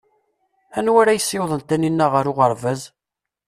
Anwa ara yessiwḍen Taninna ɣer uɣerbaz?